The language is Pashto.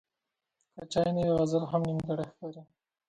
که چای نه وي، غزل هم نیمګړی ښکاري.